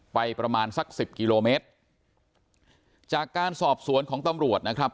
ประมาณสักสิบกิโลเมตรจากการสอบสวนของตำรวจนะครับ